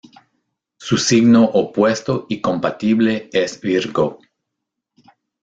Su signo opuesto y compatible es Virgo.